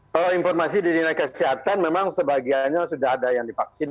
kalau informasi di dinas kesehatan memang sebagiannya sudah ada yang divaksin